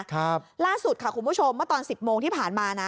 ครับล่าสุดค่ะคุณผู้ชมเมื่อตอนสิบโมงที่ผ่านมานะ